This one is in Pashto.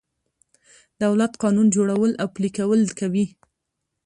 دولت قانون جوړول او پلي کول کوي.